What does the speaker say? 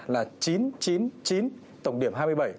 là chín chín chín tổng điểm